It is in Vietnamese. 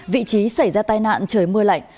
vị trí xảy ra tai nạn trời mưa lạnh